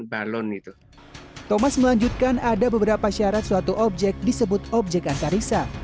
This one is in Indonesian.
balon itu thomas melanjutkan ada beberapa syarat suatu objek disebut objek antariksa